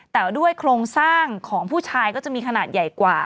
แต่ด้วยโครงสร้างของผู้ชายก็จะมีขนาดใหญ่กว่า